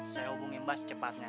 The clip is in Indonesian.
saya hubungin mbak secepatnya